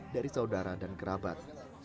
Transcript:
dari saudara dan kerabat